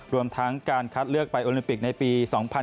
รวมทั้งการคัดเลือกไปโอลิมปิกในปี๒๐๑๖